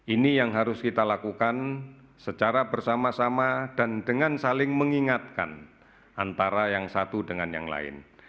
ini yang harus kita lakukan secara bersama sama dan dengan saling mengingatkan antara yang satu dengan yang lain